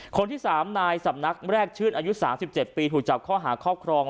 คนที่๓นายสำนักแรกชื่นอายุ๓๗ปีถูกจับข้อหาครอบครอง